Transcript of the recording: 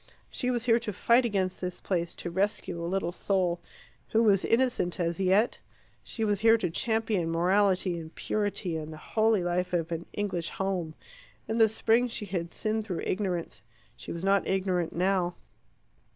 She was here to fight against this place, to rescue a little soul who was innocent as yet. She was here to champion morality and purity, and the holy life of an English home. In the spring she had sinned through ignorance; she was not ignorant now.